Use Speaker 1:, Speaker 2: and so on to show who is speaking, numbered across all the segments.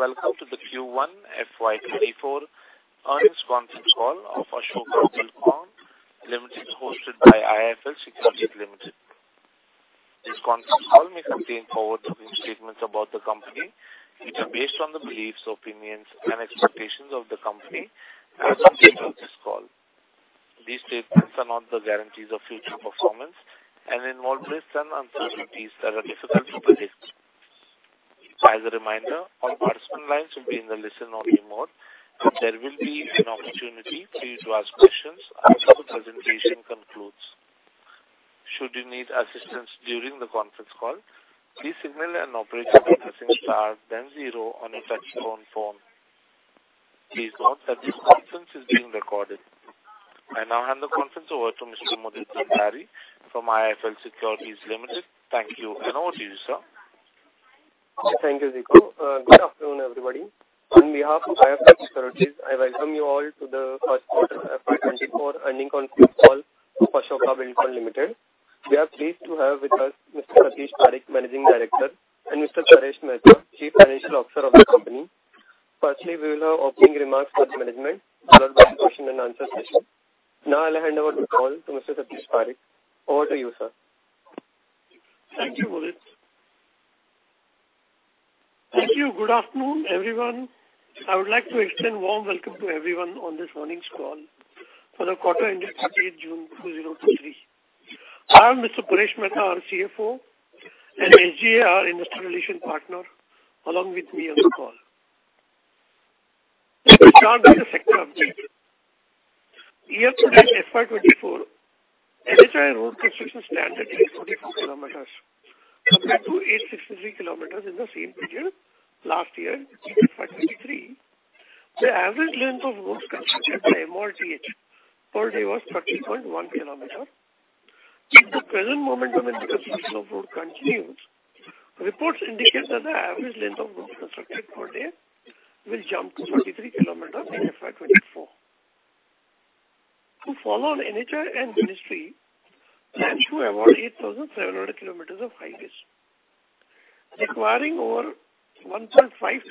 Speaker 1: Ladies and gentlemen, good day, and welcome to the Q1 FY 2024 earnings conference call of Ashoka Buildcon Limited, hosted by IIFL Securities Limited. This conference call may contain forward-looking statements about the company, which are based on the beliefs, opinions, and expectations of the company and some people on this call. These statements are not the guarantees of future performance and involve risks and uncertainties that are difficult to predict. As a reminder, all participant lines will be in the listen-only mode, and there will be an opportunity for you to ask questions after the presentation concludes. Should you need assistance during the conference call, please signal an operator by pressing Star then zero on your touch-tone phone. Please note that this conference is being recorded. I now hand the conference over to Mr. Mudit Bhandari from IIFL Securities Limited. Thank you, and over to you, sir.
Speaker 2: Thank you, Ziku. Good afternoon, everybody. On behalf of IIFL Securities, I welcome you all to the 1st quarter FY 2024 earning conference call for Ashoka Buildcon Limited. We are pleased to have with us Mr. Satish Parakh, Managing Director, and Mr. Paresh Mehta, Chief Financial Officer of the company. Firstly, we will have opening remarks from the management, followed by a question and answer session. Now, I'll hand over the call to Mr. Satish Parakh. Over to you, sir.
Speaker 3: Thank you, Mudit. Thank you. Good afternoon, everyone. I would like to extend a warm welcome to everyone on this earnings call for the quarter ended 30th June, 2023. I'm Mr. Paresh Mehta, our CFO, and HGA, our investor relation partner, along with me on the call. To start with the sector update. Year to date, FY 2024, NHAI road construction stand at 844 km, compared to 863 km in the same period last year, FY 2023. The average length of roads constructed by MoRTH per day was 30.1 kilometer. If the present momentum in the construction of road continues, reports indicate that the average length of roads constructed per day will jump to 43 km in FY 2024. To follow on NHAI and ministry, plans to award 8,700 km of highways, requiring over 1.5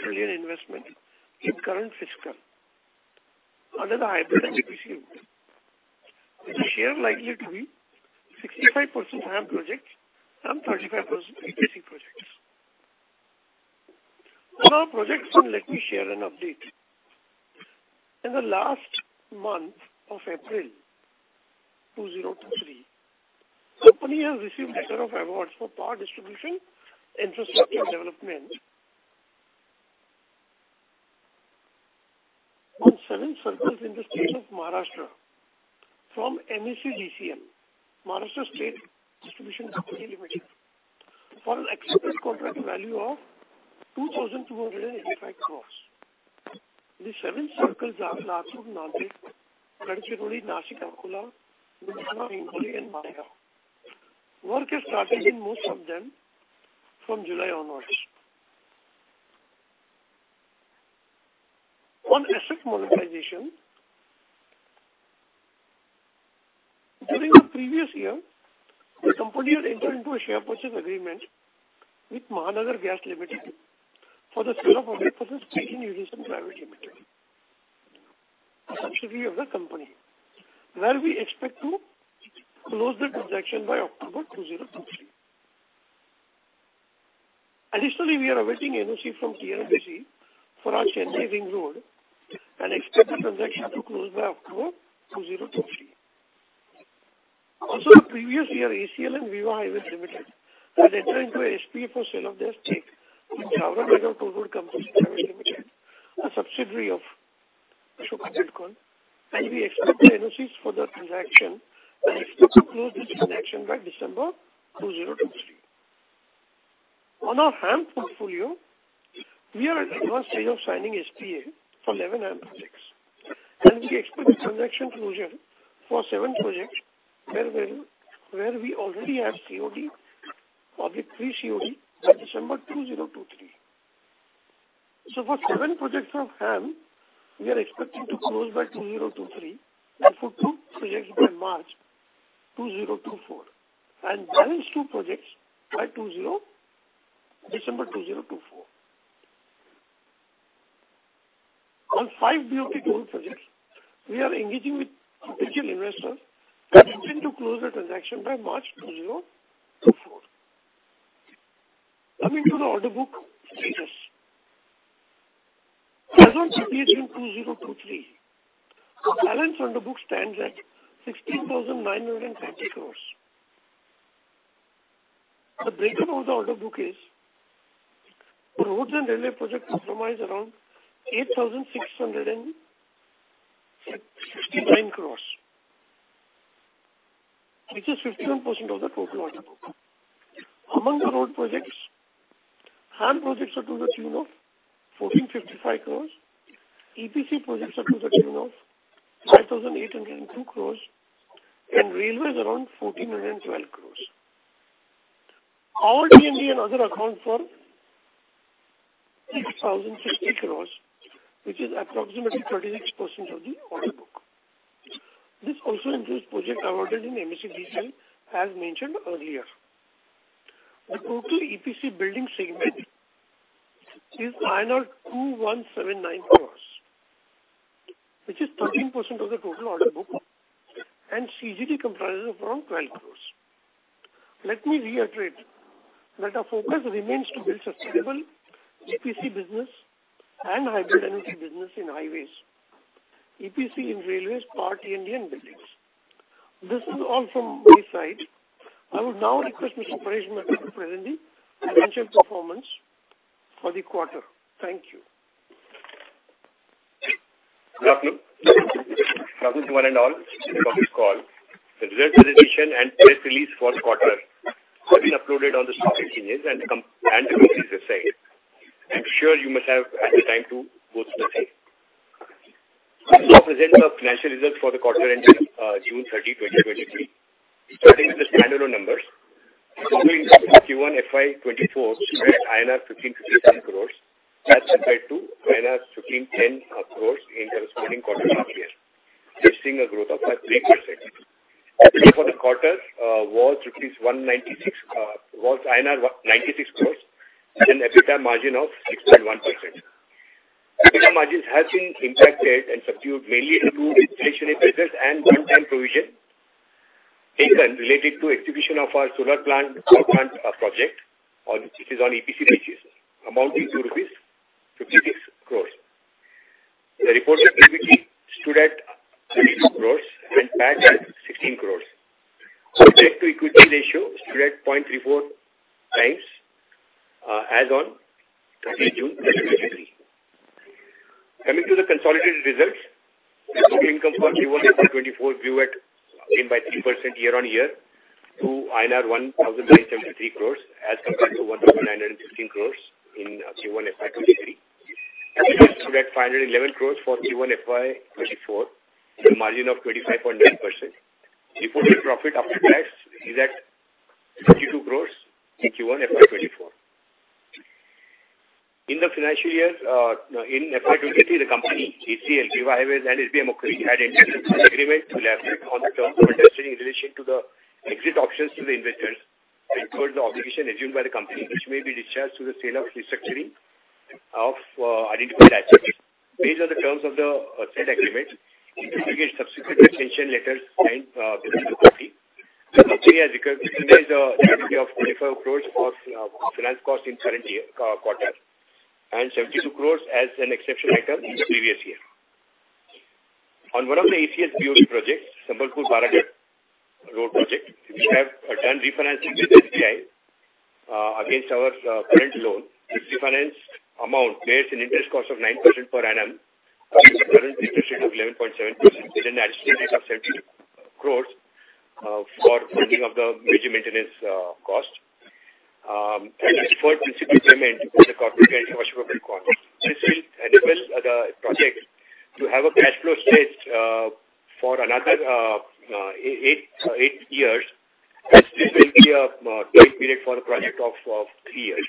Speaker 3: trillion investment in current fiscal under the hybrid NPC model, with the share likely to be 65% HAM projects and 35% EPC projects. On our projects, let me share an update. In the last month of April 2023, the company has received letter of awards for power distribution, infrastructure development on 7 circles in the state of Maharashtra from MSEDCL, Maharashtra State Electricity Distribution Company Limited, for an accepted contract value of 2,285 crore. The seven circles are Latur, Nandurbar, Gadchiroli, Nashik, Akola, Hingoli, and Wai. Work has started in most of them from July onwards. On asset monetization, during the previous year, the company had entered into a share purchase agreement with Mahanagar Gas Limited for the sale of 100% stake in Ugas Limited, a subsidiary of the company, where we expect to close the transaction by October 2023. We are awaiting NOC from CLBC for our Chennai Ring Road and expect the transaction to close by October 2023. In the previous year, ACL and Viva Highway Limited had entered into a SPA for sale of their stake in Java Middle Toll Road Company Limited, a subsidiary of Ashoka Buildcon, and we expect the NOCs for the transaction and expect to close this transaction by December 2023. On our HAM portfolio, we are at advanced stage of signing SPA for 11 HAM projects, we expect the transaction closure for seven projects, where we already have COD or the pre-COD by December 2023. For seven projects from HAM, we are expecting to close by 2023, for 2 projects by March 2024, and balance two projects by December 2024. On 5 BOT toll projects, we are engaging with potential investors, expecting to close the transaction by March 2024. Coming to the order book status. As on June 30, 2023, the balance on the book stands at 16,930 crore. The breakdown of the order book is: roads and railway projects comprise around 8,669 crores, which is 51% of the total order book. Among the road projects, HAM projects are to the tune of 1,455 crores, EPC projects are to the tune of 5,802 crores, and railways around 1,412 crores. All T&D and other account for 6,060 crores, which is approximately 36% of the order book. This also includes project awarded in MSEDCL as mentioned earlier. The total EPC building segment is INR 2,179 crores, which is 13% of the total order book, and CGD comprises around 12 crores. Let me reiterate that our focus remains to build sustainable EPC business and hybrid energy business in highways, EPC in railways, RTO Indian buildings. This is all from my side. I will now request Mr. Paresh Mehta to present the financial performance for the quarter. Thank you.
Speaker 4: Good afternoon, welcome to one and all in the public call. The results presentation and press release for quarter have been uploaded on the stock exchanges and the website. I'm sure you must have had the time to go through the same. I present the financial results for the quarter ending June 30, 2023. Starting with the standalone numbers. During Q1 FY 2024 stood at INR 1,557 crores, as compared to INR 1,510 crores in the corresponding quarter last year, registering a growth of 3%. Profit for the quarter was rupees 196, was INR 96 crores, and EBITDA margin of 6.1%. EBITDA margins have been impacted and subdued mainly due to inflationary pressures and one-time provision taken related to execution of our solar plant, power plant, project it is on EPC basis, amounting to rupees 56 crores. The reported stood at 32 crores and tax at 16 crores. Our debt to equity ratio stood at 0.34x as on June 30, 2023. Coming to the consolidated results, the income for Q1 FY 2024 grew at 10.3% year-over-year to INR 1,973 crores, as compared to 1,915 crores in Q1 FY2023. stood at 511 crores for Q1 FY 2024, with a margin of 25.9%. Reported profit after tax is at 52 crores in Q1 FY 2024. In the financial year, in FY 2023, the company, ACL, GY Highways, and SBI had entered into an agreement to elaborate on the terms of restructuring in relation to the exit options to the investors and towards the obligation assumed by the company, which may be discharged through the sale of restructuring of identified assets. Based on the terms of the said agreement, integrated subsequent extension letters signed between the party. The company has recognized the entity of INR 45 crore for finance cost in current year quarter, and INR 72 crore as an exception item in the previous year. On one of the ACL's BOT projects, Sambalpur-Bargarh Road Project, we have done refinancing with SBI against our current loan. This refinance amount bears an interest cost of 9% per annum, with a current interest rate of 11.7% with an outstanding of 70 crore for funding of the major maintenance cost and deferred principal payment over the contractual quarter. This will enable the project to have a cash flow stretch for another eight years, as this will be a time period for the project of three years.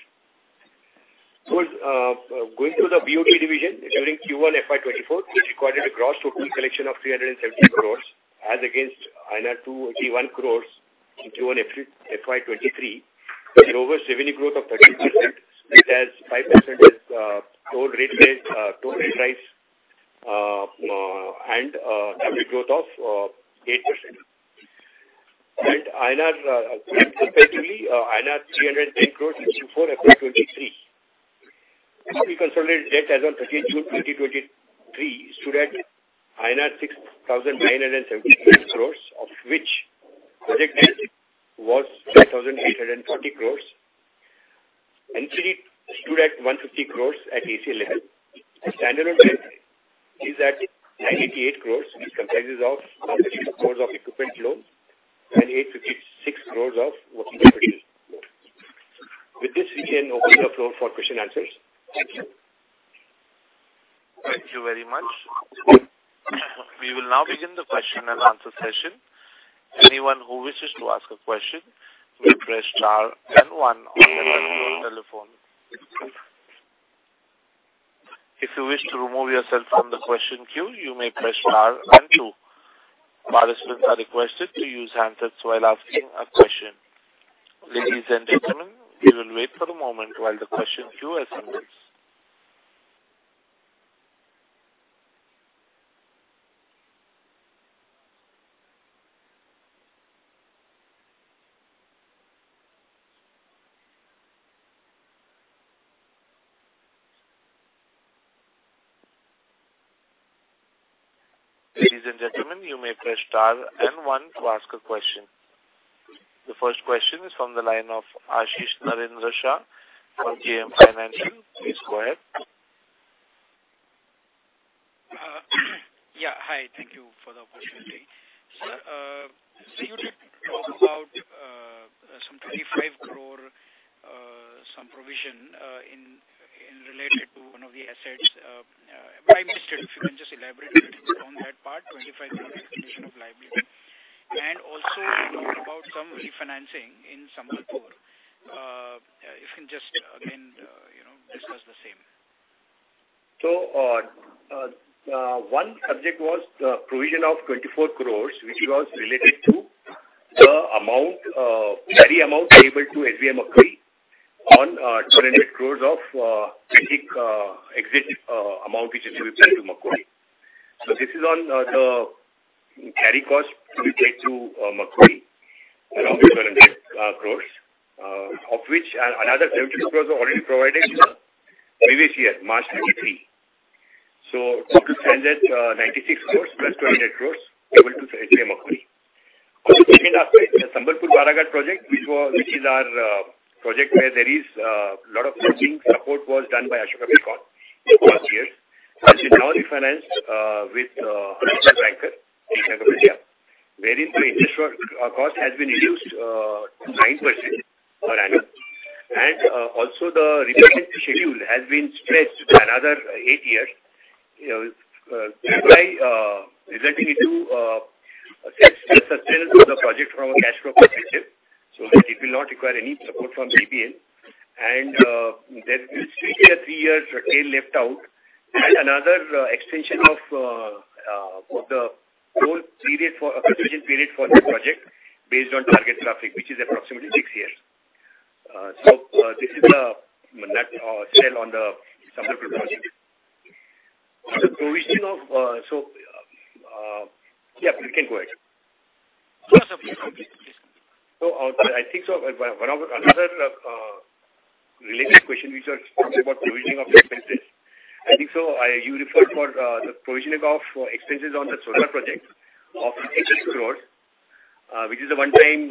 Speaker 4: Going to the BOT division, during Q1 FY 2024, it recorded a gross total collection of 370 crore as against INR 281 crore in Q1 FY 2023, an over revenue growth of 13%, which has 5% as toll rate raise, toll rate rise, and average growth of 8%. INR, respectively, INR 310 crore before FY 2023. The consolidated debt as on June 30, 2023 stood at INR 6,978 crore, of which project debt was 5,840 crore, and CD stood at 150 crore at ACL level. The standalone debt is at 988 crore, which comprises of 6 crore of equipment loans and 856 crore of working capital. With this, we can open the floor for question and answers. Thank you.
Speaker 1: Thank you very much. We will now begin the question and answer session. Anyone who wishes to ask a question may press star and one on your telephone. If you wish to remove yourself from the question queue, you may press star and two. Participants are requested to use handsets while asking a question. Ladies and gentlemen, we will wait for a moment while the question queue assembles. Ladies and gentlemen, you may press star and one to ask a question. The first question is from the line of Ashish Narendra Shah from JM Financial. Please go ahead.
Speaker 5: Yeah, hi. Thank you for the opportunity. Sir, so you talked about some 25 crore some provision in related to one of the assets, by mistake, if you can just elaborate a little on that part, 25 crore provision of liability? Also you talked about some refinancing in Sambalpur. If you can just, again-
Speaker 4: One subject was the provision of 24 crore, which was related to the amount, carry amount payable to SBI Macquarie on, 200 crore of, basic, exit, amount which is to be paid to Macquarie. This is on the carry cost to be paid to Macquarie, around 200 crore, of which another 72 crore are already provided in the previous year, March 2023. 296 crore, plus 200 crore, payable to SBI Macquarie. The second update, the Sambalpur-Bargarh project, which was, which is our project where there is lot of working support was done by Ashoka Buildcon in the past years, which is now refinanced with banker in India, wherein the interest cost has been reduced, 9% per annum. Also, the repayment schedule has been stretched to another eight years, you know, by resulting into self-sustenance of the project from a cash flow perspective, so that it will not require any support from ABL. There will be three years, three years retail left out, and another extension of the whole period for, extension period for the project based on target traffic, which is approximately six years. This is the net sale on the Sambalpur project. The provision of, so, yeah, you can go ahead.
Speaker 5: Sure, sir. Please, please.
Speaker 4: I think so, one of the, another, related question which was talking about provisioning of the expenses. I think so, I, you referred for, the provisioning of expenses on the solar project of 80 crore, which is a one-time,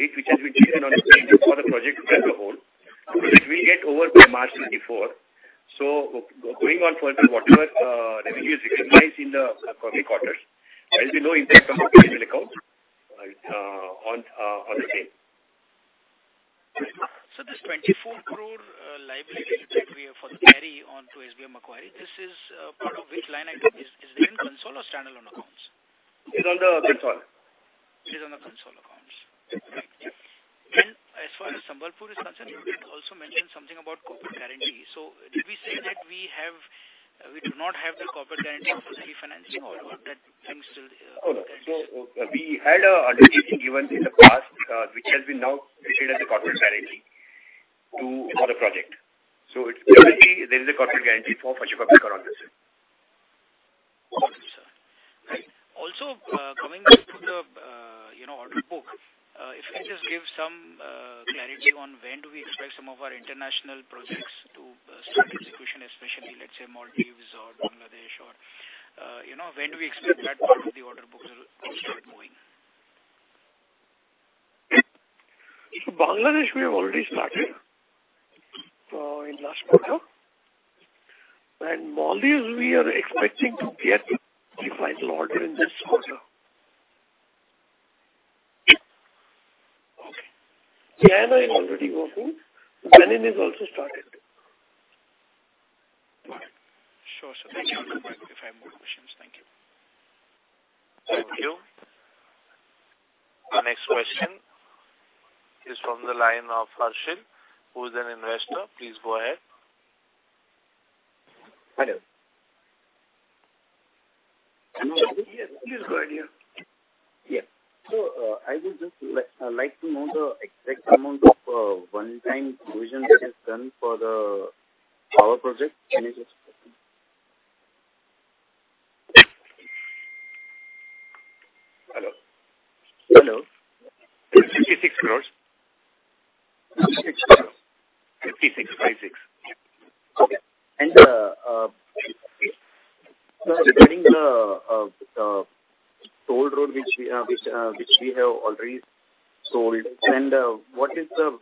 Speaker 4: hit which has been taken on the project as a whole. It will get over by March 2024. Going on further, whatever, revenue is recognized in the coming quarters, there will be no impact on the financial accounts, on the same.
Speaker 5: This 24 crore liability that we have for the carry on to SBI Macquarie, this is part of which line item? Is, is it in console or standalone accounts?
Speaker 4: It's on the console.
Speaker 5: It is on the console accounts.
Speaker 4: Yes.
Speaker 5: As far as Sambalpur is concerned, you also mentioned something about corporate guarantee. Did we say that we have, we do not have the corporate guarantee for refinancing, or that thing still?
Speaker 4: Oh, no. We had a guarantee given in the past, which has been now issued as a corporate guarantee to, for the project. It's currently, there is a corporate guarantee for Ashoka Buildcon on this.
Speaker 5: Thank you, sir. Right. Also, coming back to the, you know, order book, if you just give some clarity on when do we expect some of our international projects to start execution, especially, let's say, Maldives or Bangladesh or, you know, when do we expect that part of the order books will start moving?
Speaker 3: Bangladesh, we have already started, in last quarter. Maldives, we are expecting to get the final order in this quarter.
Speaker 5: Okay.
Speaker 3: Thailand is already working. Benin is also started.
Speaker 5: Right. Sure, sir. Thank you. I'll get back if I have more questions. Thank you.
Speaker 1: Thank you. Our next question is from the line of Ashil, who is an investor. Please go ahead.
Speaker 6: Hello?
Speaker 3: Yes, please go ahead. Yeah.
Speaker 6: Yeah. I would just like, like to know the exact amount of one-time provision that is done for the power project. Can you just?
Speaker 4: Hello? Hello. 56 crore.
Speaker 6: 56 crore.
Speaker 4: 56, 56.
Speaker 6: Okay. Regarding the toll road, which we, which, which we have already sold, and what is the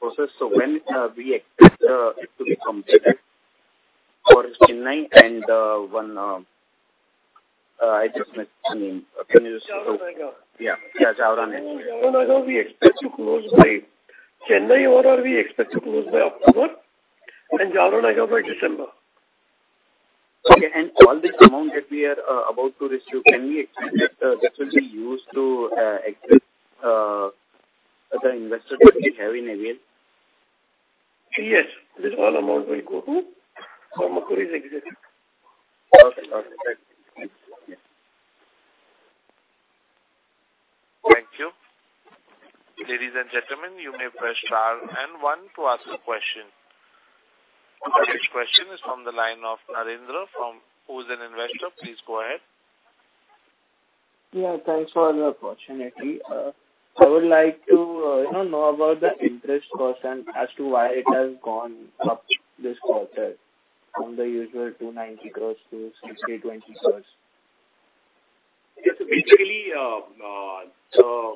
Speaker 6: process? When we expect it to be completed for Chennai and 1, I just missed the name. Can you just-
Speaker 3: Jaora-Nayagaon. Yeah, yeah, Jaora-Nayagaon. Jaora-Nayagaon, we expect to close by Chennai or we expect to close by October, and Jaora-Nayagaon by December.
Speaker 6: Okay. All this amount that we are about to receive, can we expect that this will be used to exit the investor that we have in ABL?
Speaker 3: Yes. This whole amount will go to Macquarie's executive.
Speaker 6: Okay. Okay. Thank you.
Speaker 1: Thank you. Ladies and gentlemen, you may press star and one to ask a question. The next question is from the line of Narendra from... Who is an investor. Please go ahead.
Speaker 7: Yeah, thanks for the opportunity. I would like to, you know, know about the interest cost and as to why it has gone up this quarter from the usual 290 crore to 620 crore?
Speaker 4: Yes, basically, the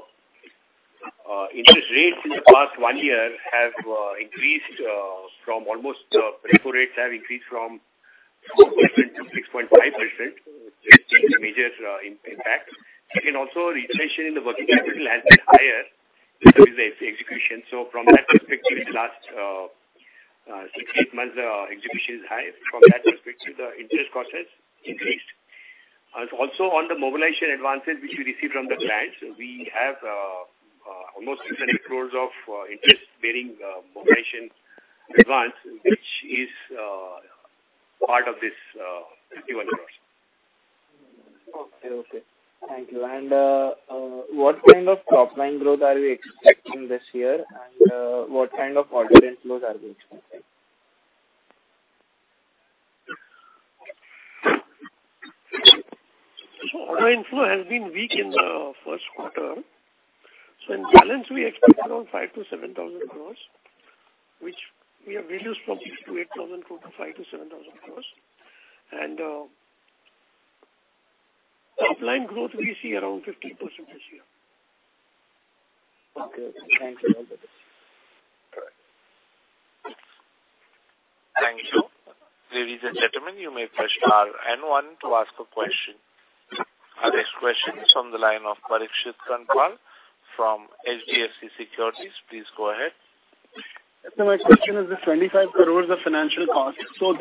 Speaker 4: interest rates in the past one year have increased from almost repo rates have increased from 4% to 6.5%, which is a major impact. Second, also, retention in the working capital has been higher than the execution. From that perspective, in the last six, eight months, the execution is high. Interest cost has increased. Also, on the mobilization advances which we received from the clients, we have almost 60 crore of interest bearing mobilization advance, which is part of this 51 crore.
Speaker 7: Okay. Okay. Thank you. What kind of top-line growth are we expecting this year? What kind of order inflows are we expecting?
Speaker 4: Order inflow has been weak in the first quarter. In balance, we expect around 5,000-7,000 crore, which we have reduced from 8,000 crore to 5,000-7,000 crore. Top line growth, we see around 15% this year.
Speaker 7: Okay, thank you.
Speaker 1: Thank you. Ladies and gentlemen, you may press star and 1 to ask a question. Our next question is from the line of Parikshit Kandpal from HDFC Securities. Please go ahead.
Speaker 8: My question is the 25 crore of financial cost. This will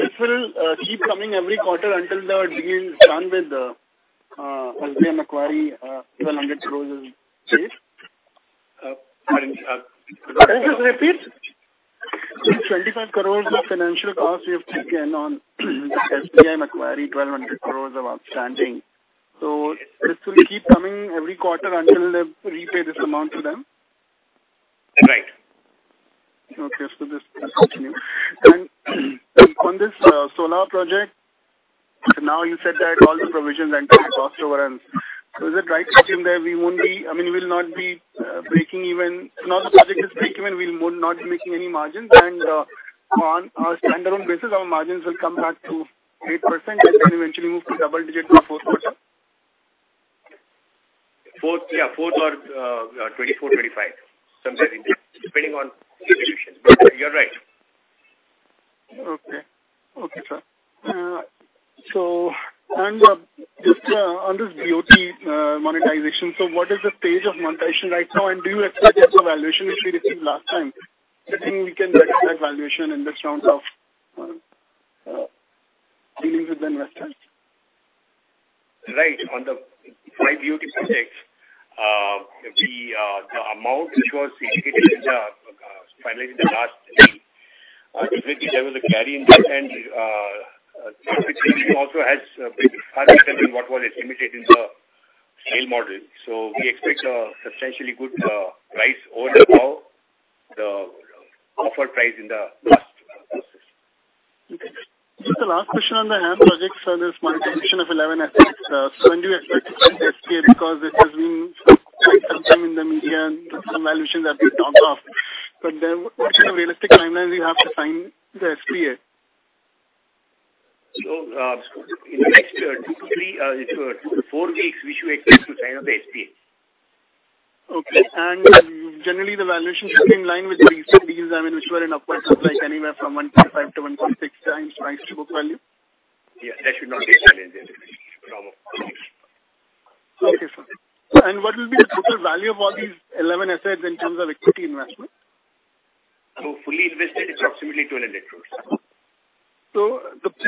Speaker 8: keep coming every quarter until the deal is done with the SBI Macquarie, 1,200 crore is paid?
Speaker 4: Can you just repeat?
Speaker 8: 25 crore of financial cost we have taken on SBI Macquarie, 1,200 crore of outstanding. This will keep coming every quarter until they repay this amount to them?
Speaker 4: Right.
Speaker 8: Okay, this, this continue. On this solar project, now you said that all the provisions and costs over, and so is it right to assume that we won't be, I mean, we will not be breaking even? Now, the project is breakeven, we will not be making any margins, and on a stand-alone basis, our margins will come back to 8% and then eventually move to double digit by fourth quarter?
Speaker 4: 4th, yeah, 4th or, 24, 25, something like that, depending on execution. You're right.
Speaker 8: Okay. Okay, sir. Just on this BOT monetization, so what is the stage of monetization right now? Do you expect the same valuation which we received last time? Do you think we can get that valuation in this round of dealings with the investors?
Speaker 4: Right. On the 5 BOT projects, the, the amount which was indicated in the, finalized in the last 3, there was a carry-in, and, also has been higher than what was estimated in the scale model. We expect a substantially good, price over the how, the offer price in the last process.
Speaker 8: Okay. Just the last question on the HAM projects on this monetization of 11 assets. When do you expect to sign the SPA because it has been some time in the media and some valuations have been talked off, but then what is the realistic timeline we have to sign the SPA?
Speaker 4: In the next 2-3, 2-4 weeks, we should expect to sign up the SPA.
Speaker 8: Okay. Generally, the valuation should be in line with the recent deals, I mean, which were in upwards of, like, anywhere from 1.5x-1.6x price to book value?
Speaker 4: Yeah, that should not be a challenge there.
Speaker 8: Okay, sir. What will be the total value of all these 11 assets in terms of equity investment?
Speaker 4: Fully invested, it's approximately 1,200 crores.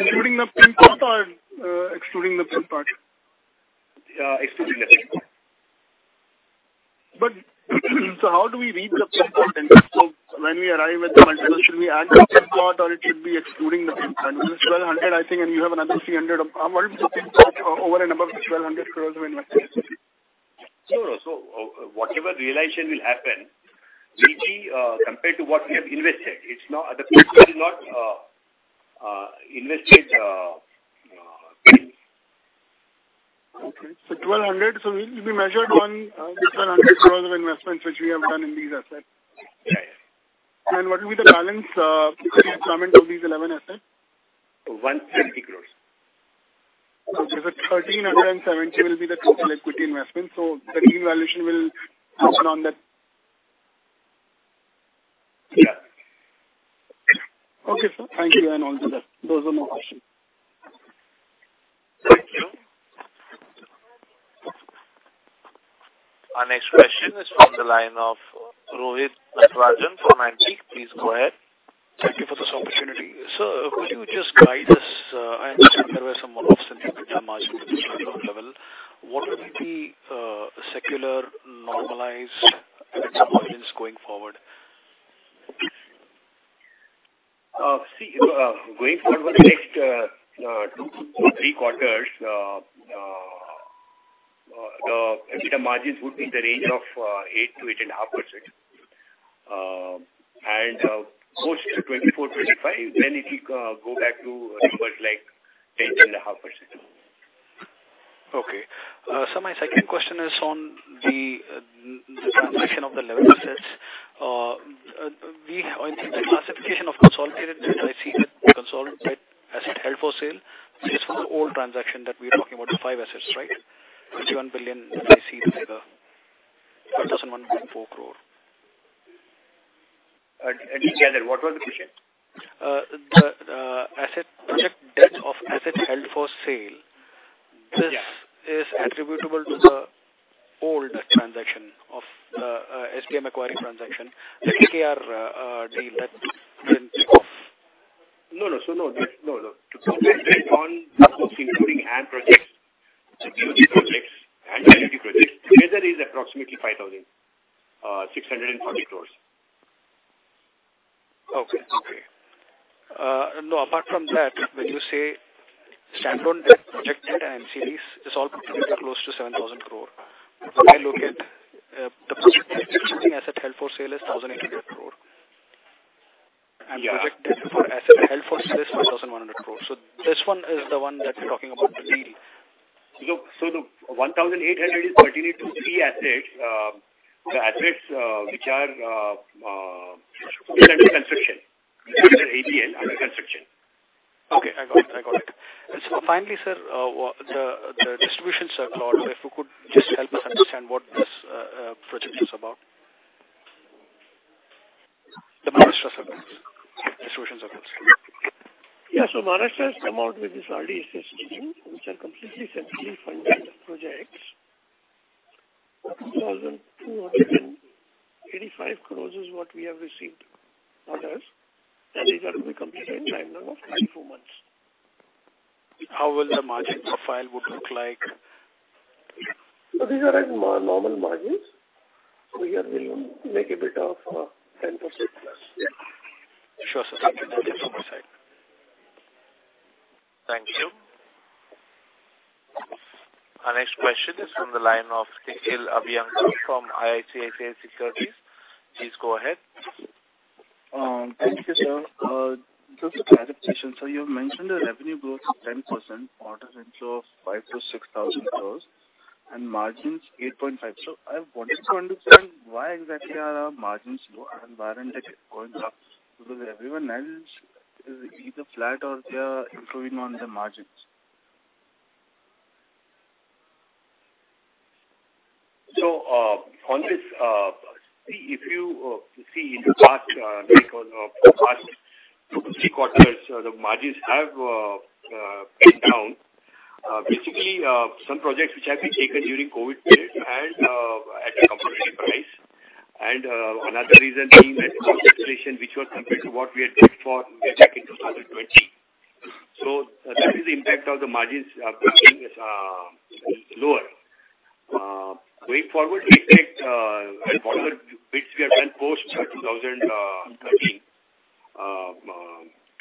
Speaker 8: Including the print part or, excluding the print part?
Speaker 4: Excluding the print part.
Speaker 8: How do we read the print part then? When we arrive at the valuation, should we add the print part or it should be excluding the print part? This 1,200, I think, and you have another 300 of... How much is the print part over a number of 1,200 crore of investment?
Speaker 4: No, no. Whatever realization will happen, we see, compared to what we have invested, it's not, the print part is not, invested, things.
Speaker 8: Okay. 1,200 crore, so we, we measured on, the 1,200 crore of investments which we have done in these assets.
Speaker 4: Yes.
Speaker 8: What will be the balance, procurement of these 11 assets?
Speaker 4: 150 crore.
Speaker 8: Okay. 1,370 will be the total equity investment. INR 13 valuation will happen on that.
Speaker 4: Yeah.
Speaker 8: Okay, sir. Thank you, and all the best. Those are more questions.
Speaker 1: Thank you. Our next question is from the line of Rohit Natarajan from NIKLA. Please go ahead.
Speaker 9: Thank you for this opportunity. Sir, could you just guide us, I understand there were some one-off sentiment margin at this level. What will be secular, normalized, net margins going forward?
Speaker 4: Going forward next two to three quarters, the EBITDA margins would be in the range of 8%-8.5%. And post 2024-2025, then it will go back to numbers like 10%-10.5%.
Speaker 9: Okay. My second question is on the transaction of the level assets. We have the classification of consolidated, I see it, consolidated asset held for sale. This is for the old transaction that we are talking about, the 5 assets, right? 21 billion, I see the figure, INR 1,001.4 crore.
Speaker 4: Again, what was the question?
Speaker 9: The, the asset, project debt of asset held for sale-
Speaker 4: Yeah.
Speaker 9: - this is attributable to the old transaction?... SDM acquiring transaction, the DKR deal that went off.
Speaker 4: No, no. No, no, no. To complete it on books, including and projects, security projects and utility projects, together is approximately 5,640 crore.
Speaker 9: Okay. Okay. No, apart from that, when you say standalone project debt and series, it's all completely close to 7,000 crore. When I look at the existing asset held for sale is 1,800 crore.
Speaker 4: Yeah.
Speaker 9: Project debt for asset held for sale is 1,100 crore. This one is the one that you're talking about the deal.
Speaker 4: Look, the 1,800 is pertaining to three assets. The assets which are under construction, ABN under construction.
Speaker 9: Okay, I got it. I got it. Finally, sir, what the, the distribution circle, if you could just help us understand what this project is about? The Maharashtra circles, distribution circles.
Speaker 4: Maharashtra has come out with this RDSS scheme, which are completely centrally funded projects. INR 1,285 crore is what we have received orders, these are to be completed in timeline of nine, two months.
Speaker 9: How will the margin profile would look like?
Speaker 4: These are at mar- normal margins. Here we will make a bit of 10% plus.
Speaker 9: Sure, sir. Thank you from our side.
Speaker 1: Thank you. Our next question is from the line of Nikhil Abhyankar from ICICI Securities. Please go ahead.
Speaker 10: Thank you, sir. Just a clarification. You mentioned the revenue growth of 10%, order inflow of 5,000-6,000 crore, and margins 8.5%. I wanted to understand why exactly are our margins low and why are they going up? Because everyone else is either flat or they are improving on the margins.
Speaker 4: On this, if you see in the past, make of the past three quarters, the margins have been down. Basically, some projects which have been taken during COVID period and at a competitive price. Another reason being that cost inflation, which was compared to what we had built for back in 2020. That is the impact of the margins being lower. Going forward, we expect all the bits we have done post 2013,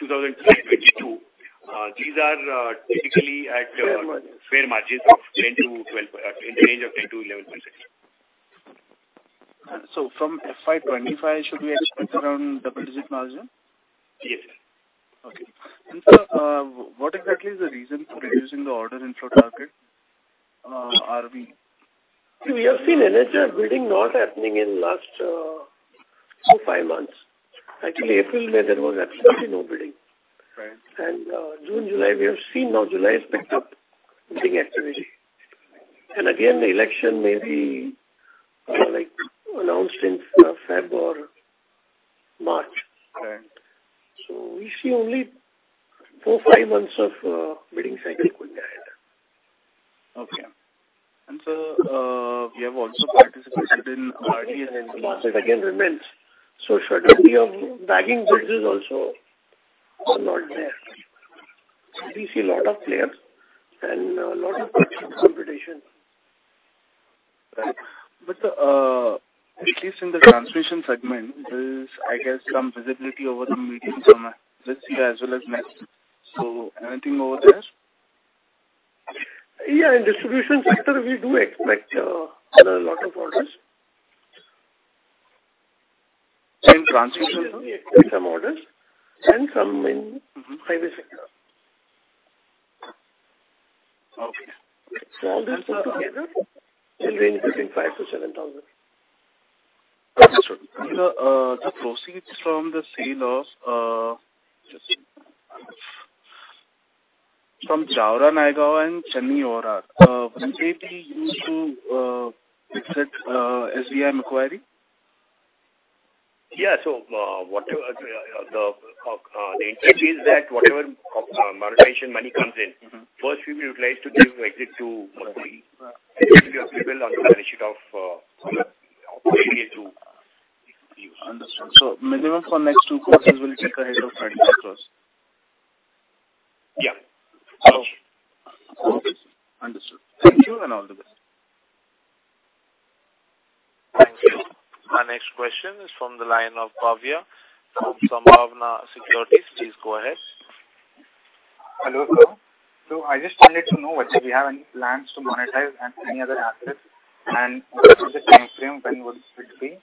Speaker 4: 2022, these are typically at fair margins of 10%-12%, in the range of 10%-11.6%.
Speaker 10: From FY 2025, should we expect around double-digit margin?
Speaker 4: Yes.
Speaker 10: Okay. sir, what exactly is the reason for reducing the order inflow target, RV?
Speaker 4: We have seen energy bidding not happening in last four to five months. Actually, April, there was absolutely no bidding.
Speaker 10: Right.
Speaker 4: June, July, we have seen now July has picked up bidding activity. Again, the election may be announced in Feb or March.
Speaker 11: Right.
Speaker 4: We see only four to five months of bidding cycle going ahead.
Speaker 10: Okay. sir, we have also participated in RD.
Speaker 4: Again, remains. Should we be of bagging bids is also a lot there. We see a lot of players and a lot of competition.
Speaker 10: Right. At least in the transmission segment, there is, I guess, some visibility over the medium term, this year as well as next. Anything over there?
Speaker 4: In distribution sector, we do expect a lot of orders.
Speaker 10: In transmission too?
Speaker 4: Some orders and some in private sector.
Speaker 10: Okay.
Speaker 4: All this put together will range between INR 5,000-7,000.
Speaker 10: Understood. The proceeds from the sale of from Jaora, Nayagaon and Chennai ORR, will they be used to exit SDM inquiry?
Speaker 4: Yeah. whatever, the interest is that whatever, monetization money comes in...
Speaker 10: Mm-hmm.
Speaker 4: -first we will utilize to give exit to Muthi, and it will be available on the balance sheet of, through.
Speaker 10: Understood. Minimum for next two quarters, we'll check the head of front stores.
Speaker 4: Yeah.
Speaker 10: Okay. Understood. Thank you, and all the best.
Speaker 1: Thank you. Our next question is from the line of Bhavya from Sambhavna Securities. Please go ahead.
Speaker 12: Hello, sir. I just wanted to know whether we have any plans to monetize any other assets, and what is the timeframe when would it be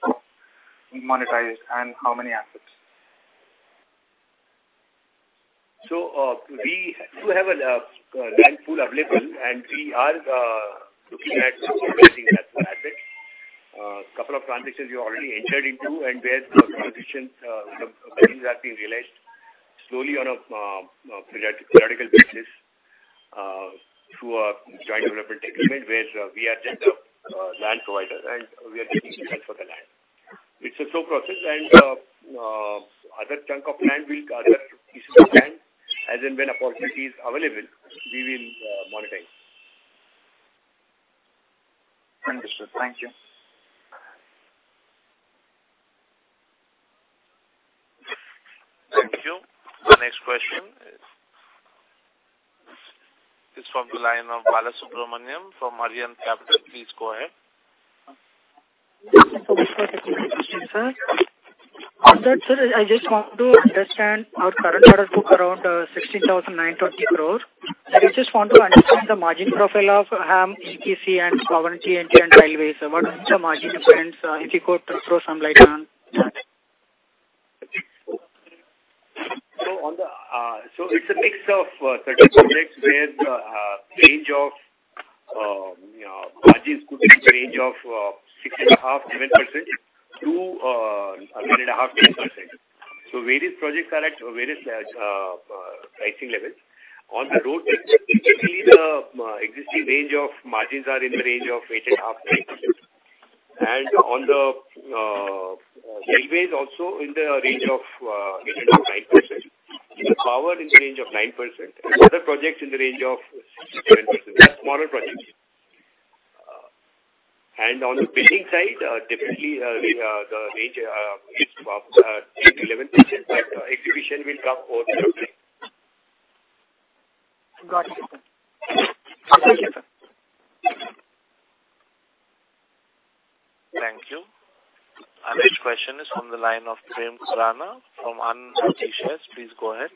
Speaker 12: monetized, and how many assets?
Speaker 4: We do have a land pool available, and we are looking at asset. A couple of transactions we already entered into, and where the transactions, the values have been realized slowly on a periodical basis, through a joint development agreement, where we are just a land provider, and we are getting paid for the land. It's a slow process, and other chunk of land will, other piece of land, as and when opportunity is available, we will monetize. Understood. Thank you.
Speaker 1: Thank you. The next question is from the line of Bala Subramaniam from Marian Capital. Please go ahead.
Speaker 13: Before the question, sir. On that, sir, I just want to understand our current order book around 16,920 crore. I just want to understand the margin profile of ETC and power, NT and railways. What is the margin difference, if you could throw some light on?
Speaker 4: On the, it's a mix of, certain projects where the, range of, you know, margins could be in the range of 6.5%-7% to 11.5%-10%. Various projects are at various pricing levels. On the road, basically, the existing range of margins are in the range of 8.5%-9%. On the railways also in the range of 8%-9%. In the power, in the range of 9%. Other projects in the range of 6%-7%, smaller projects. On the billing side, definitely, the, the range, is of, 8%-11%, but exhibition will come over shortly.
Speaker 13: Got it. Thank you, sir.
Speaker 1: Thank you. Our next question is from the line of Prem Khurana from Anand Rathi Shares. Please go ahead.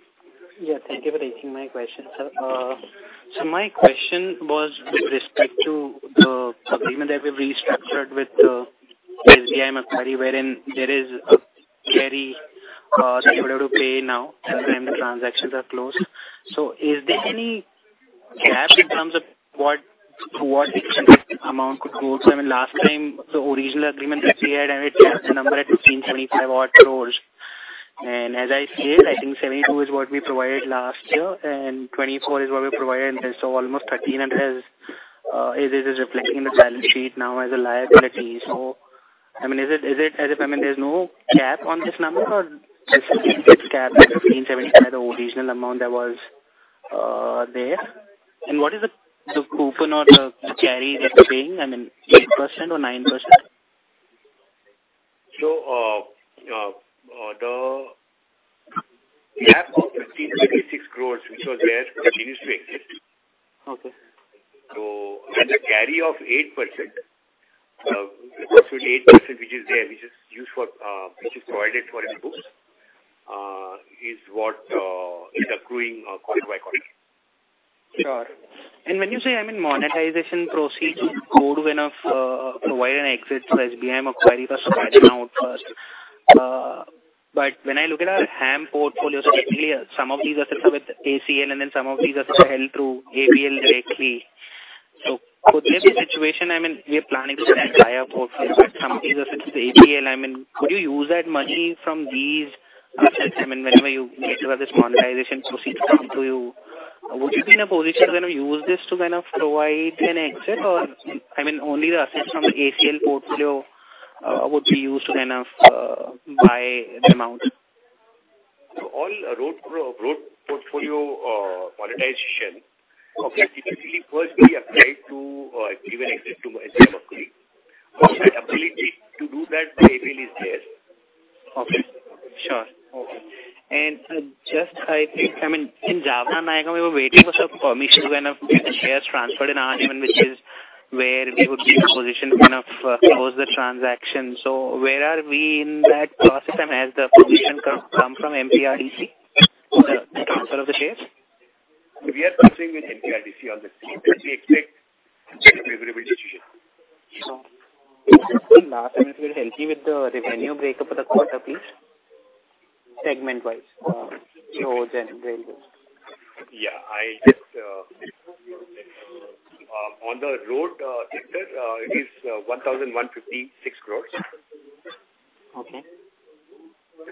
Speaker 14: Yeah, thank you for taking my question, sir. My question was with respect to the agreement that we've restructured with the SBI Macquarie party, wherein there is a carry, they were to pay now, and then the transactions are closed. Is there any gap in terms of what, what amount could go to? I mean, last time, the original agreement that we had, it was a number at 1,575 odd crore. As I said, I think 72 is what we provided last year, and 24 is what we provided. Almost 13 and has is reflecting in the balance sheet now as a liability. I mean, is it as if, I mean, there's no cap on this number or is it capped at 1,575, the original amount that was there? What is the, the coupon or the carry that you're paying? I mean, 8% or 9%?
Speaker 4: The gap of 1,576 crore, which was there, continues to exist.
Speaker 14: Okay.
Speaker 4: The carry of 8%, approximately 8%, which is there, which is used for, which is provided for in the books, is what, is accruing, quarter by quarter.
Speaker 14: Sure. When you say, I mean, monetization proceeds could enough provide an exit to SBI acquiring the supply amount first. When I look at our HAM portfolio, technically some of these are still with ACL, and then some of these are still held through ABL directly. Could there be a situation, I mean, we are planning to sell the entire portfolio, but some of these are still ABL. I mean, could you use that money from these assets? I mean, whenever you get this monetization proceed come to you, would you be in a position to kind of use this to kind of provide an exit, or, I mean, only the assets from the ACL portfolio would be used to kind of buy the amount?
Speaker 4: All road road portfolio, monetization, obviously, will first be applied to, give an an exit to SBI Macquarie. Of that ability to do that, the appeal is there.
Speaker 14: Okay. Sure. Okay. Just I think, I mean, in Jaora-Nayagaon, we were waiting for some permission to kind of get the shares transferred in our name, which is where we would be in a position to kind of close the transaction. Where are we in that process? Has the permission come, come from MPRDC for the transfer of the shares?
Speaker 4: We are consulting with MPRDC on this. We expect a very favorable situation.
Speaker 14: Sure. Last time, if you were to help me with the revenue breakup of the quarter, please. Segment-wise. roads and railways.
Speaker 4: Yeah, I just on the road sector, it is 1,156 crores.
Speaker 14: Okay.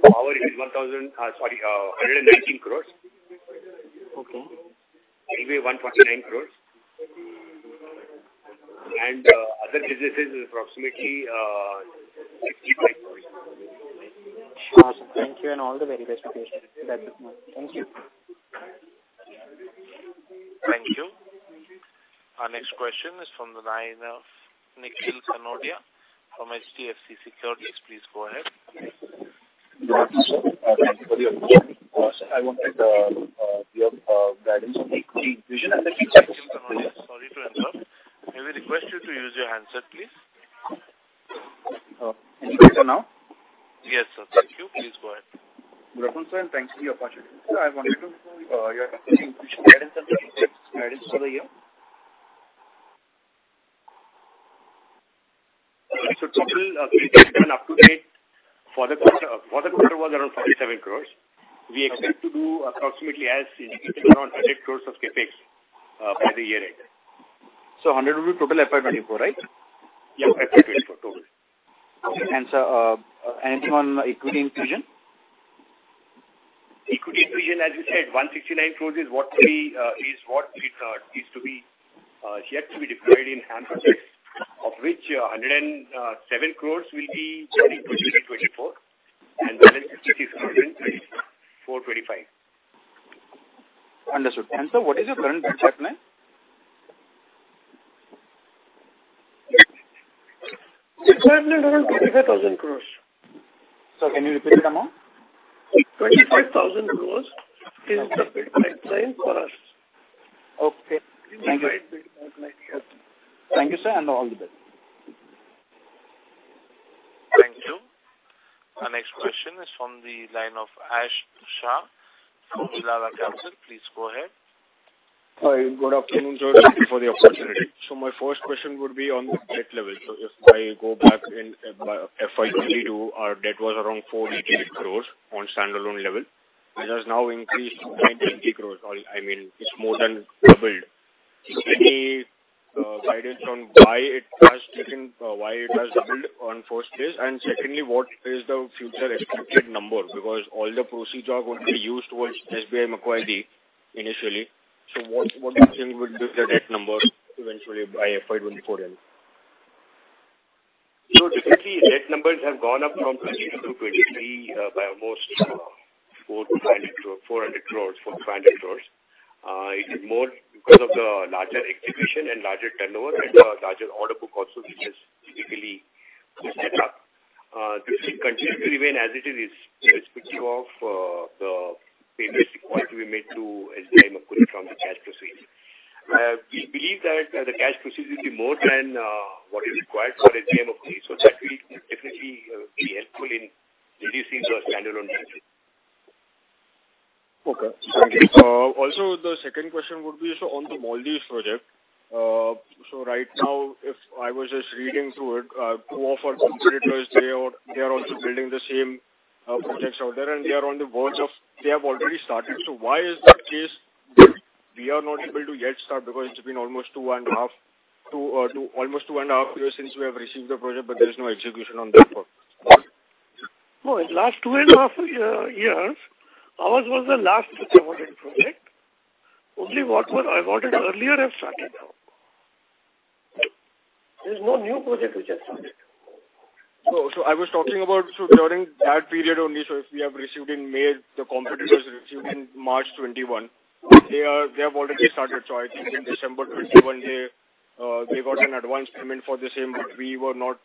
Speaker 4: Power is 1,000, sorry, 119 crores.
Speaker 14: Okay.
Speaker 4: Maybe 149 crore. Other businesses is approximately 65 crore.
Speaker 14: Awesome. Thank you and all the very best to you. That's it. Thank you.
Speaker 1: Thank you. Our next question is from the line of Nikhil Kanodia from HDFC Securities. Please go ahead.
Speaker 15: Good. Thank you for your question. I wanted your guidance on the equity vision.
Speaker 1: Nikhil Kanodia, sorry to interrupt. May we request you to use your handset, please?
Speaker 15: Oh, anything for now?
Speaker 1: Yes, sir. Thank you. Please go ahead.
Speaker 15: Good afternoon, sir, and thanks for your opportunity. I wanted to know, your guidance on the guidance for the year.
Speaker 4: Total, up to date for the quarter, for the quarter was around 47 crore. We expect to do approximately as around 100 crore of CapEx for the year end.
Speaker 15: 100 rupees total FY 2024, right?
Speaker 4: Yeah, FY 2024, total.
Speaker 15: Okay, anything on equity infusion?
Speaker 4: Equity infusion, as you said, 169 crores is what we, is what we, is to be, yet to be deployed in HAM projects, of which, 107 crores will be getting produced in 2024. The debt is covering 425 crores. Understood. What is your current budget, ma'am?
Speaker 3: It's around 25,000 crore.
Speaker 4: Sir, can you repeat the amount?
Speaker 3: 25,000 crore is the bid pipeline for us.
Speaker 4: Okay. Thank you. Thank you, sir, and all the best.
Speaker 1: Thank you. Our next question is from the line of Ash Shah from Elara Capital. Please go ahead.
Speaker 16: Hi, good afternoon, sir. Thank you for the opportunity. My first question would be on the debt level. If I go back in FY 2022, our debt was around 400 crore on standalone level. It has now increased to 90 crore. I mean, it's more than doubled. Any guidance on why it has taken, why it has doubled on first place? Secondly, what is the future expected number? Because all the proceeds are going to be used towards SBI Macquarie initially. What you think would be the debt number eventually by FY 2024 end?
Speaker 4: Basically, debt numbers have gone up from 22 to 23 by almost 400 crore-500 crore, 400 crore, 400 crore-500 crore. It is more because of the larger execution and larger turnover and larger order book also, which is typically pushed it up. This will continue to remain as it is, is irrespective of the payments required to be made to SBI Macquarie from the cash proceeds. We believe that the cash proceeds will be more than what is required for SBI Macquarie, so that will definitely be helpful in reducing the standalone debt.
Speaker 16: Okay, thank you. The second question would be, on the Maldives project. Right now, if I was just reading through it, two of our competitors, they are, they are also building the same projects out there, and they are on the verge of, they have already started. Why is that case that we are not able to yet start? Because it's been almost 2.5 years since we have received the project, but there is no execution on that part.
Speaker 3: In last 2.5 years, ours was the last awarded project. Only what was awarded earlier have started now. There's no new project which has started.
Speaker 16: I was talking about during that period only, if we have received in May, the competitors received in March 2021, they have already started. I think in December 2021, they got an advance payment for the same, but we were not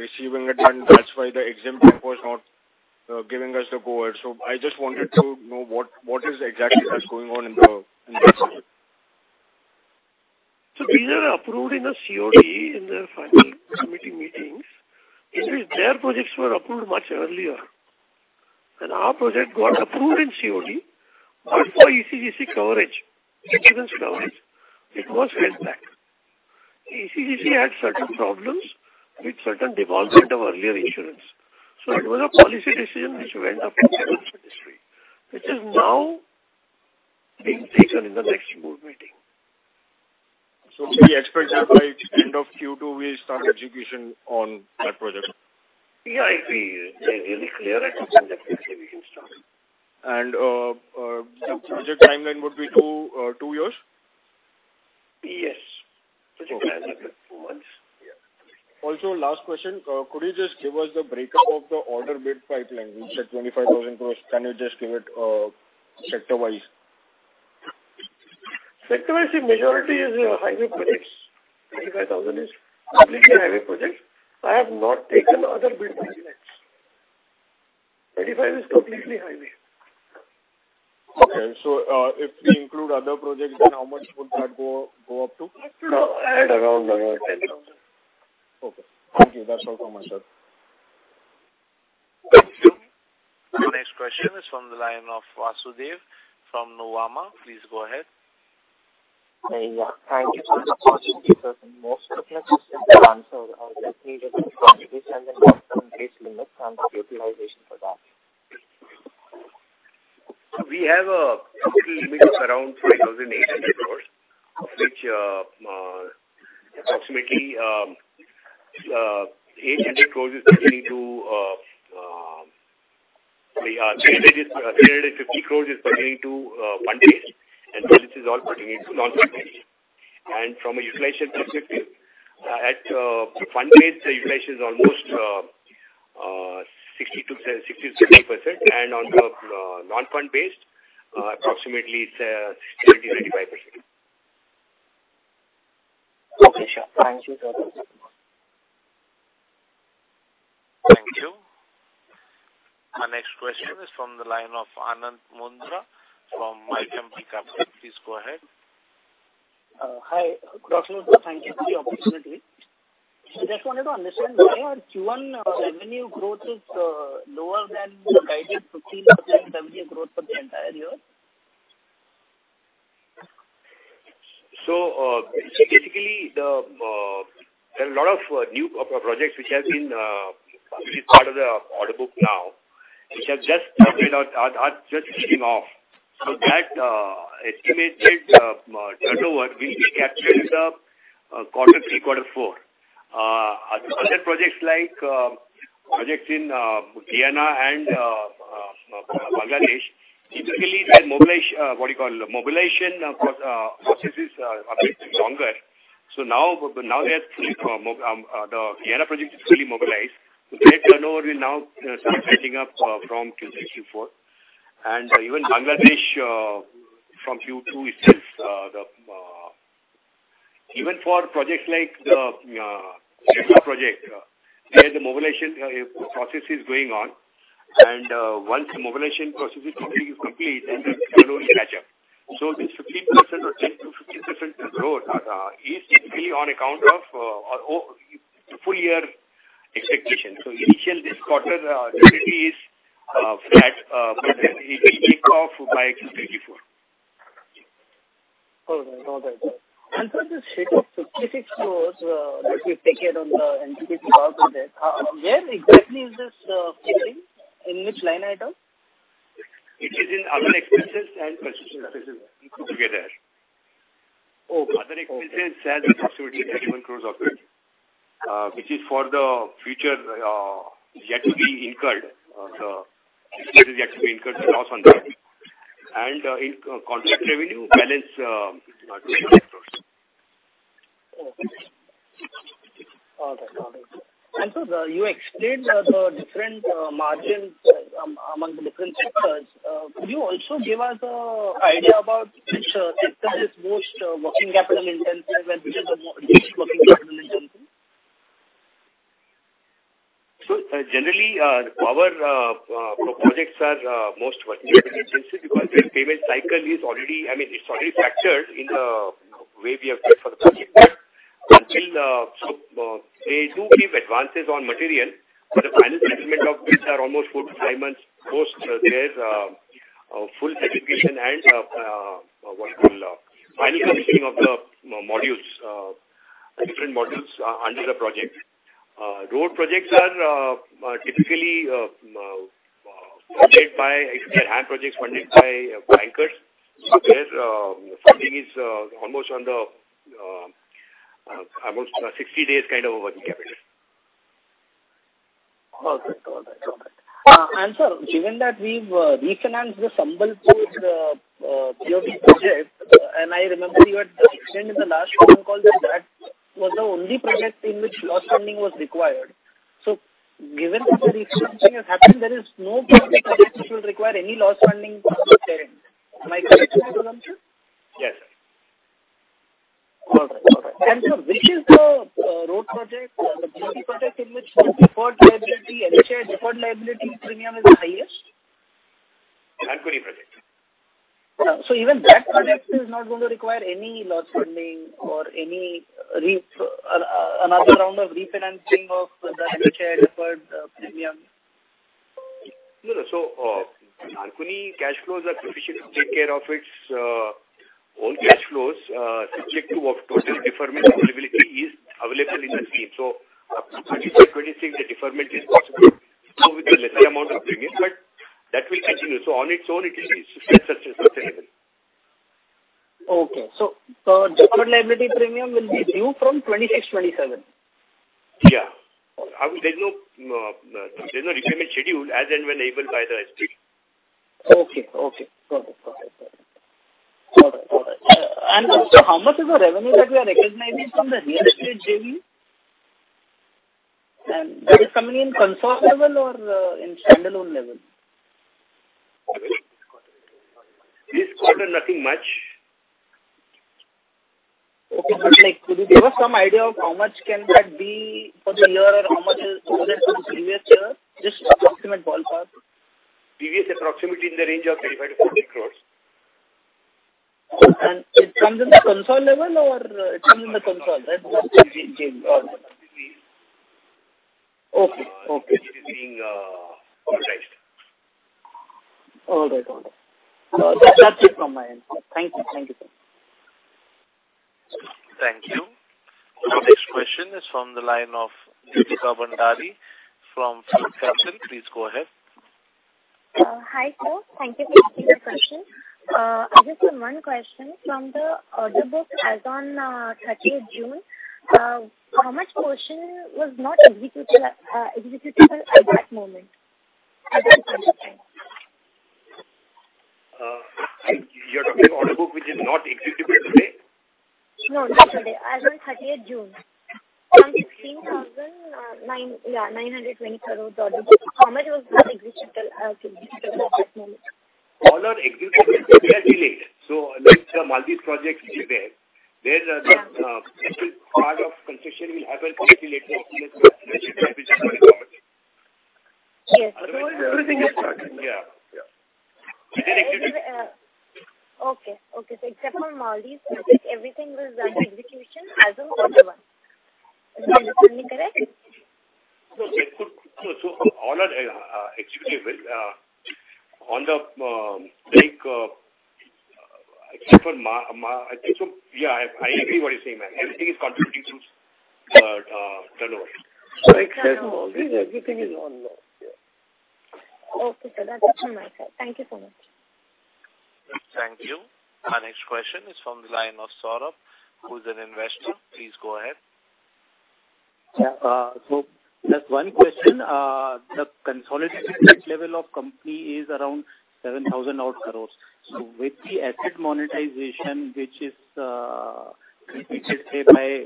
Speaker 16: receiving it, and that's why the exempt was not giving us the go-ahead. I just wanted to know what, what is exactly that's going on in this?
Speaker 3: These are approved in a COD in their final committee meetings. It is their projects were approved much earlier, and our project got approved in COD, but for ECC coverage, insurance coverage, it was held back. ECC had certain problems with certain involvement of earlier insurance. It was a policy decision which went up in the ministry, which is now being taken in the next board meeting.
Speaker 16: We expect that by end of Q2, we start execution on that project?
Speaker 3: If we are really clear, I think that maybe we can start.
Speaker 16: The project timeline would be two, two years?
Speaker 3: Yes. Potentially after four months, yeah.
Speaker 16: Last question, could you just give us the breakup of the order bid pipeline, which is 25,000 crore? Can you just give it sector-wise?
Speaker 3: Sector-wise, the majority is highway projects. 25,000 is completely highway projects. I have not taken other bid projects. 35 is completely highway.
Speaker 16: Okay. If we include other projects, then how much would that go, go up to?
Speaker 3: Around 10,000.
Speaker 16: Okay, thank you. That's all from my side.
Speaker 1: Thank you. The next question is from the line of Vasudev from Nuvama. Please go ahead.
Speaker 17: Yeah, thank you so much. Most of your questions have been answered. Just need a little contribution and then some case limit from the utilization for that.
Speaker 4: We have a total limit of around 5,800 crore, which, approximately, 800 crore is pertaining to... 350 crore is pertaining to, fund-based, and this is all pertaining to non-fund-based. From a utilization perspective, at, fund-based, the utilization is almost, 60%-70%, and on the, non-fund-based, approximately it's, 30%-35%.
Speaker 17: Okay, sure. Thank you, sir.
Speaker 1: Thank you. Our next question is from the line of Anand Mundra from ICICI Capital. Please go ahead.
Speaker 18: Hi, good afternoon. Thank you for the opportunity. I just wanted to understand why our Q1 revenue growth is lower than the guided 15% revenue growth for the entire year?
Speaker 4: Basically, there are a lot of new projects which have been part of the order book now, which have just started out, just kicking off. That estimated turnover will be captured in the quarter three, quarter four. Other projects like projects in Guyana and Bangladesh, typically the mobilization processes are a bit longer. Now they are fully mobilized. Their turnover will now start rising up from Q3, Q4. Even Bangladesh from Q2 is still even for projects like the project where the mobilization process is going on, once the mobilization process is completely complete, then the turnover will catch up. This 15% or 10%-15% growth is basically on account of full year expectation. Initial this quarter definitely is flat, but then it will take off by Q3, Q4.
Speaker 18: All right. All right. For the set of specific stores, that you've taken on the entity out there, where exactly is this, fitting? In which line item?
Speaker 4: It is in other expenses and precision expenses together.
Speaker 18: Okay.
Speaker 4: Other expenses has INR 37 crore of it, which is for the future, yet to be incurred. The yet to be incurred loss on that. In contract revenue, balance is not doing that first.
Speaker 18: Okay. All right. All right. You explained the, the different margins among the different sectors. Could you also give us a idea about which sector is most working capital intensive, and which is the most working capital intensive?
Speaker 4: Generally, our projects are most working capital intensive because the payment cycle is already... I mean, it's already factored in the way we have paid for the project. Until, they do give advances on material, but the final settlement of which are almost four to five months post. There's a full certification and what we call final completion of the modules, the different modules under the project. Road projects are typically funded by, if they have projects funded by bankers, so their funding is almost on the almost 60 days kind of working capital.
Speaker 18: All right. All right. All right. Sir, given that we've refinanced the Sambalpur BOT project, and I remember you had explained in the last earning call that that was the only project in which loss funding was required. Given that the refinancing has happened, there is no project which will require any loss funding going forward. Am I correct in my assumption?
Speaker 4: Yes.
Speaker 18: Okay. All right. Sir, which is the road project, the GP project, in which the deferred liability, NHAI deferred liability premium is the highest?
Speaker 4: Narkuni project.
Speaker 18: Even that project is not going to require any loss funding or any another round of refinancing of the NHAI deferred premium?
Speaker 4: No, no. Narkuni cash flows are sufficient to take care of its own cash flows, subject to of total deferment availability is available in the scheme. 2024, 2026, the deferment is possible, with a lesser amount of premium, but that will continue. On its own, it is sustainable.
Speaker 18: Okay. So, deferred liability premium will be due from 2026-2027?
Speaker 3: Yeah.
Speaker 18: Okay.
Speaker 4: There's no, there's no deferment schedule as and when enabled by the SP.
Speaker 18: Okay. Okay. Got it. Got it. All right. All right. How much is the revenue that we are recognizing from the real estate JV? That is coming in consort level or in standalone level?
Speaker 4: This quarter, nothing much.
Speaker 18: Okay, like, could you give us some idea of how much can that be for the year, or how much is, was it from the previous year? Just approximate ballpark.
Speaker 4: Previous approximate in the range of 30 crore-40 crore.
Speaker 18: It comes in the console level, or it comes in the console, right? Okay. Okay.
Speaker 4: It is being prioritized.
Speaker 18: All right. All right. That's it from my end. Thank you. Thank you, sir.
Speaker 1: Thank you. Our next question is from the line of Deepika Bhandari from PhillipCapital. Please go ahead.
Speaker 11: Hi, sir. Thank you for taking the question. I just have one question. From the order book as on, 30th June, how much portion was not executable at that moment? At that point in time.
Speaker 4: You're talking order book, which is not executable today?
Speaker 11: No, not today. As on 30th June. From INR 16,920 crore, how much was not executable, executable at that moment?
Speaker 4: All are executable. They are delayed. Like the Maldives project is there. There's part of concession will happen slightly later than expected.
Speaker 11: Yes.
Speaker 4: Otherwise, everything is starting. Yeah. Yeah.
Speaker 11: Okay. Okay. Except for Maldives project, everything was under execution as on 31. Am I listening correct?
Speaker 4: So all are executable on the except for. I think so, yeah, I, I agree what you're saying. Everything is contributing to turnover.
Speaker 1: Except Maldives, everything is on roll. Yeah.
Speaker 11: Okay, sir. That's it from my side. Thank you so much.
Speaker 1: Thank you. Our next question is from the line of Saurabh, who's an investor. Please go ahead.
Speaker 19: Yeah, just one question. The consolidated debt level of company is around 7,000 odd crore. With the asset monetization, which is completed, say, by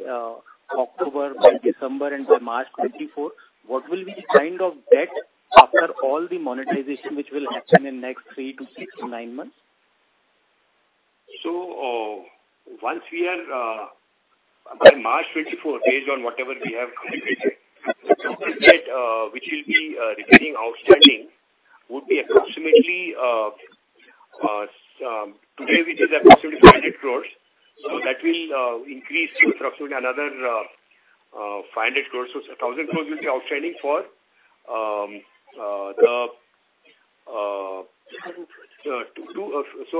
Speaker 19: October, by December and by March 2024, what will be the kind of debt after all the monetization, which will happen in next three to six to nine months?
Speaker 4: Once we are by March 2024, based on whatever we have completed, which will be remaining outstanding, would be approximately today, which is approximately 500 crore. That will increase to approximately another 500 crore. It's 1,000 crore will be outstanding for the.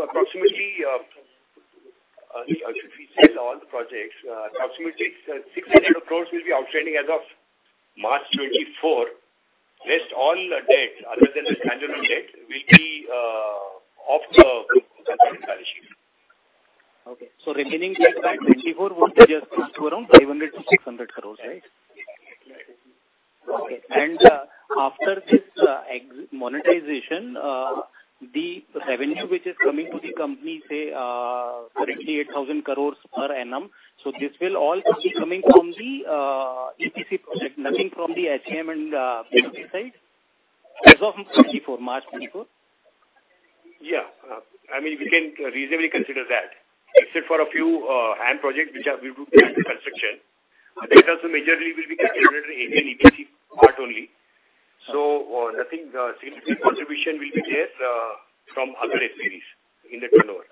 Speaker 4: Approximately, if we sell all the projects, approximately 600 crore will be outstanding as of March 2024. Rest all the debt other than the standard debt will be off the group balance sheet.
Speaker 19: Okay. remaining debt by 2024 would be just close to around INR 500 crore-INR 600 crore, right?
Speaker 4: Right.
Speaker 19: After this, ex- monetization, the revenue which is coming to the company, say, currently 8,000 crore per annum, so this will all be coming from the EPC project, nothing from the HCM and side? As of 2024, March 2024.
Speaker 4: Yeah. I mean, we can reasonably consider that. Except for a few HAM projects which are, we will be under construction. Those also majorly will be considered under EPC part only. Nothing significant contribution will be there from other areas in the turnover.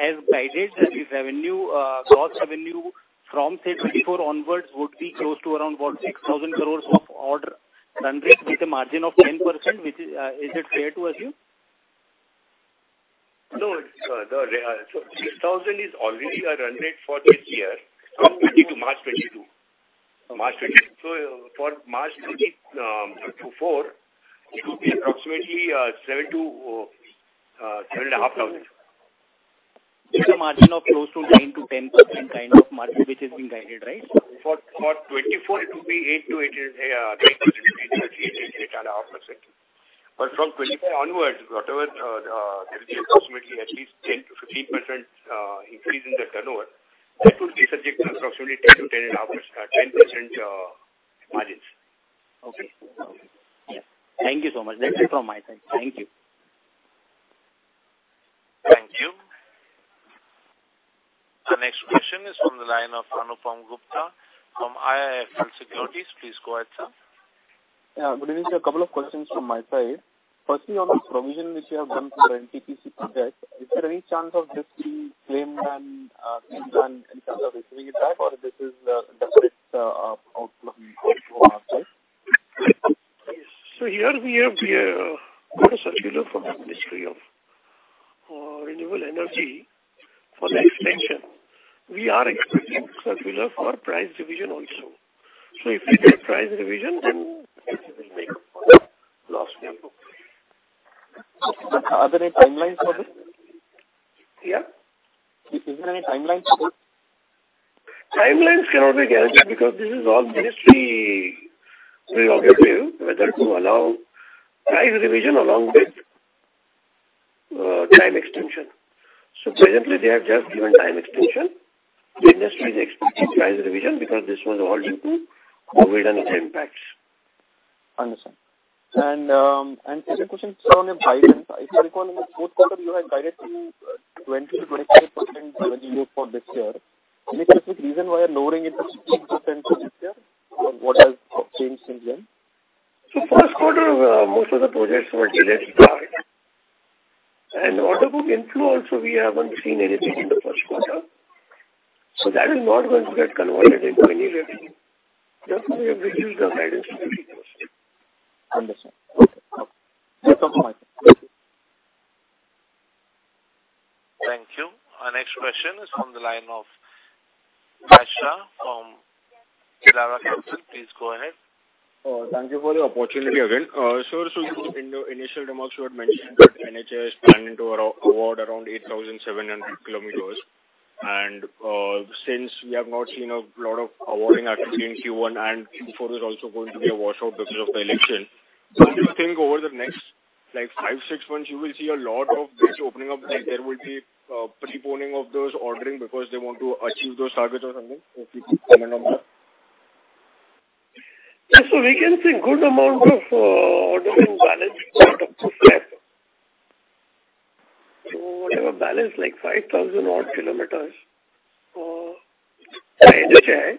Speaker 19: As guided, the revenue, gross revenue from say, 2024 onwards would be close to around what, 6,000 crore of order run rate with a margin of 10%, which is. Is it fair to assume?
Speaker 4: 6,000 is already a run rate for this year, from 2020 to March 2022. March 2022. For March 2024, it will be approximately 7,000-7,500.
Speaker 19: With a margin of close to 9%-10% kind of margin, which has been guided, right?
Speaker 4: For, for 2024, it will be 8%-8.5%. From 2024 onwards, whatever, there will be approximately at least 10%-15% increase in the turnover, that would be subject to approximately 10%-10.5% margins.
Speaker 19: Okay. Yes. Thank you so much. That's it from my side. Thank you.
Speaker 1: Thank you. Our next question is from the line of Anupam Gupta from IIFL Securities. Please go ahead, sir.
Speaker 20: Yeah, good evening. A couple of questions from my side. Firstly, on this provision which you have done for NTPC project, is there any chance of this being claimed and claimed and in terms of receiving it back, or this is just it out of the process?
Speaker 4: Here we have got a circular from the Ministry of Renewable Energy for the extension. We are expecting circular for price revision also. If we get price revision, then we will make up for the loss we have got.
Speaker 20: Are there any timelines for this?
Speaker 4: Yeah?
Speaker 20: Is there any timelines for this?
Speaker 4: Timelines cannot be guaranteed, because this is all ministry prerogative, whether to allow price revision along with time extension. Presently, they have just given time extension. The industry is expecting price revision, because this was all due to COVID and its impacts.
Speaker 20: Understand. Second question, sir, on your guidance. If I recall, in the fourth quarter, you had guided to 20%-25% revenue for this year. Can you tell us the reason why you're lowering it to 16% this year? What has changed since then?
Speaker 4: First quarter, most of the projects were delayed. Order book inflow also, we haven't seen anything in the first quarter. That is not going to get converted into any revenue. Therefore, we have reduced the guidance.
Speaker 20: Understand. Okay. Thank you so much.
Speaker 1: Thank you. Our next question is from the line of Rasha from Elara Capital. Please go ahead.
Speaker 16: Oh, thank you for the opportunity again. Sir, in the initial remarks, you had mentioned that NHAI is planning to award around 8,700 km. Since we have not seen a lot of awarding activity in Q1 and Q4 is also going to be a washout because of the election, do you think over the next, like, five, six months, you will see a lot of this opening up, like, there will be preponing of those ordering because they want to achieve those targets or something? If you could comment on that?
Speaker 4: We can see good amount of ordering balance out of the FY 2024. We have a balance like 5,000 odd km in NHAI,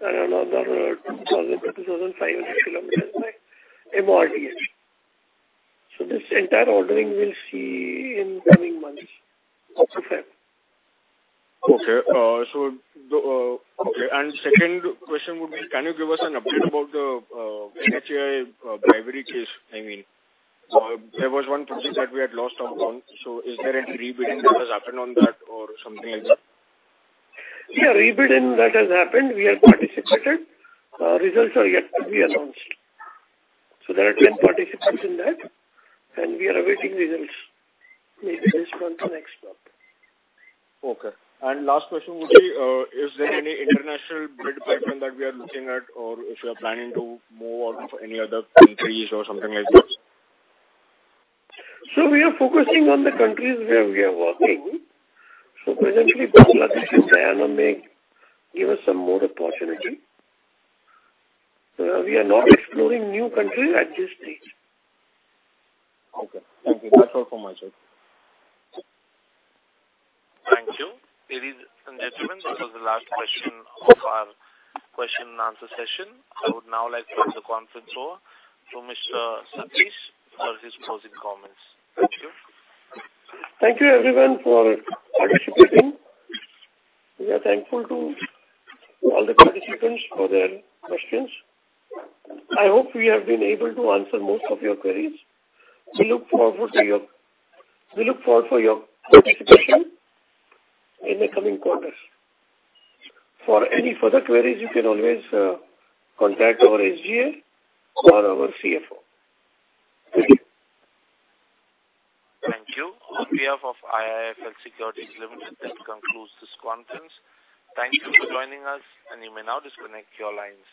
Speaker 4: and another 2,000-2,500 km in MREIS. This entire ordering we'll see in coming months of FY 2024.
Speaker 16: Okay. Okay, second question would be, can you give us an update about the NHAI bribery case, I mean? There was one project that we had lost upon. Is there any re-bidding that has happened on that or something like that?
Speaker 4: Yeah, re-bidding that has happened, we have participated. Results are yet to be announced. There are 10 participants in that, and we are awaiting results. Maybe this one to the next one.
Speaker 16: Okay. Last question would be, is there any international bid pipeline that we are looking at, or if you are planning to move on to any other countries or something like this?
Speaker 4: We are focusing on the countries where we are working. Presently, Bangladesh and Myanmar may give us some more opportunity. We are not exploring new countries at this stage.
Speaker 16: Okay. Thank you. That's all from my side.
Speaker 1: Thank you. Ladies and gentlemen, this was the last question of our question and answer session. I would now like to close the conference over to Mr. Satish for his closing comments. Thank you.
Speaker 4: Thank you everyone for participating. We are thankful to all the participants for their questions. I hope we have been able to answer most of your queries. We look forward to we look forward for your participation in the coming quarters. For any further queries, you can always contact our SGA or our CFO. Thank you.
Speaker 1: Thank you. On behalf of IIFL Securities Limited, this concludes this conference. Thank you for joining us, and you may now disconnect your lines.